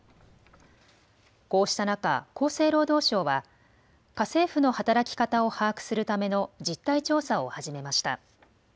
こうした中、厚生労働省は家政婦の働き方を把握するための実態調査を始めました。